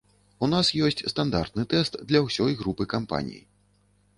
У нас ёсць стандартны тэст для ўсёй групы кампаній.